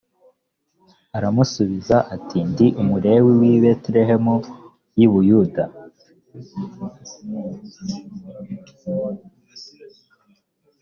aramusubiza ati ndi umulewi w i betelehemu y i buyuda